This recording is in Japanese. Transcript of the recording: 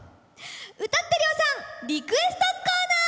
「歌って涼さんリクエストコーナー」！